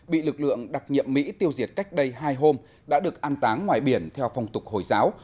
bị lực lượng đặc nhiệm mỹ tiêu diệt cách đây hai hôm đã được an táng ngoài biển theo phong tục hồi giáo